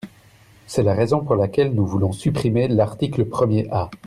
C’est la raison pour laquelle nous voulons supprimer l’article premier A.